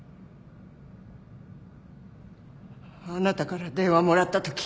あなたから電話もらったとき。